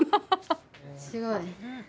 すごい。